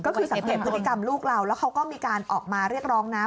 ก็คือสังเกตพฤติกรรมลูกเราแล้วเขาก็มีการออกมาเรียกร้องนะ